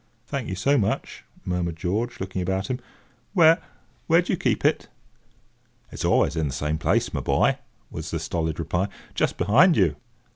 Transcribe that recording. "Thank you so much," murmured George, looking about him. "Where—where do you keep it?" "It's always in the same place my boy," was the stolid reply: "just behind you."